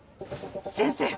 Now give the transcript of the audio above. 先生。